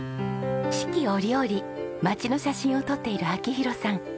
四季折々町の写真を撮っている明宏さん。